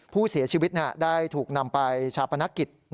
ผู้เสียชีวิตได้ถูกนำไปชาปนกิจ